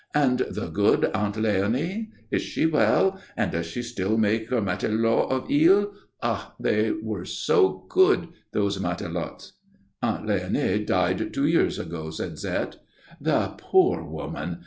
"And the good Aunt Léonie? Is she well? And does she still make her matelotes of eels? Ah, they were good, those matelotes." "Aunt Léonie died two years ago," said Zette. "The poor woman!